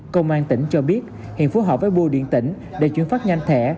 công an tỉnh cho biết hiện phố họ với bùa điện tỉnh đều chuyển phát nhanh thẻ